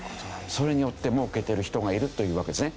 それによって儲けてる人がいるというわけですね。